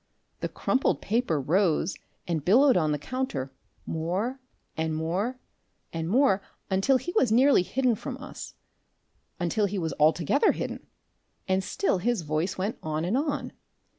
The crumpled paper rose and billowed on the counter more and more and more, until he was nearly hidden from us, until he was altogether hidden, and still his voice went on and on.